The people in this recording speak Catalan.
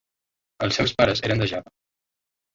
Els seus pares eren de Java.